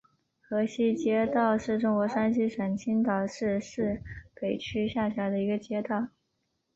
河西街道是中国山东省青岛市市北区下辖的一个街道。